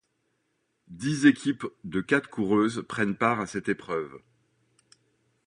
Dix équipes de quatre coureuses prennent part à cette épreuve.